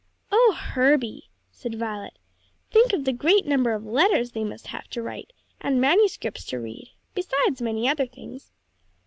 "Oh, Herbie," said Violet, "think of the great number of letters they must have to write, and manuscripts to read, beside many other things."